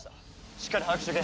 しっかり把握しておけ。